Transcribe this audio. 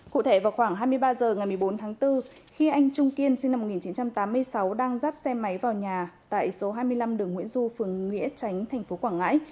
cụ thể vào khoảng hai mươi ba h ngày một mươi bốn tháng bốn khi anh trung kiên sinh năm một nghìn chín trăm tám mươi sáu đang dắt xe máy vào nhà tại số hai mươi năm đường nguyễn du phường nghĩa chánh tp quảng ngãi